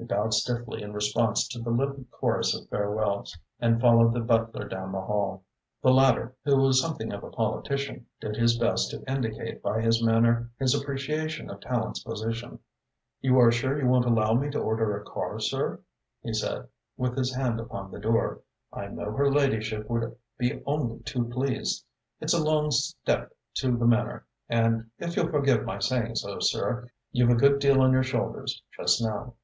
He bowed stiffly in response to the little chorus of farewells and followed the butler down the hall. The latter, who was something of a politician, did his best to indicate by his manner his appreciation of Tallente's position. "You are sure you won't allow me to order a car, sir?" he said, with his hand upon the door. "I know her ladyship would be only too pleased. It's a long step to the Manor, and if you'll forgive my saying so, sir, you've a good deal on your shoulders just now."